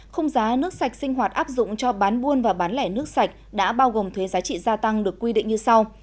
khung giá nước sạch sinh hoạt áp dụng cho bán buôn và bán lẻ nước sạch đã bao gồm thuế giá trị gia tăng được quy định như sau